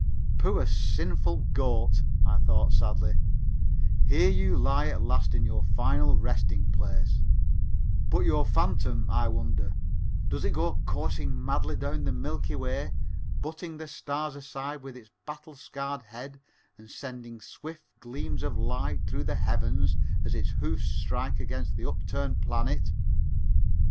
"Poor sinful goat," I thought sadly, "here you lie at last in your final resting place, but your phantom, I wonder, does it go coursing madly down the Milky Way, butting the stars aside with its battle scarred head and sending swift gleams of light through the heavens as its hoofs strike against an upturned planet?